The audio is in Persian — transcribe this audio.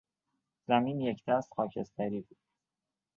زمین یکدست خاکستری بود.